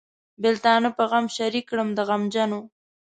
بېلتانه په غم شریک کړم د غمجنو.